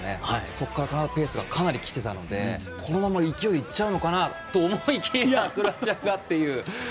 そこからカナダペースがかなりきていたのでこのまま勢いでいっちゃうのかなと思いきやクロアチアがっていう。